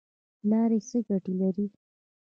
لاړې څه ګټه لري؟